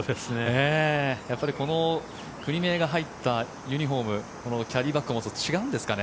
やっぱりこの国名が入ったユニホームこのキャディーバッグを持つと違うんですかね。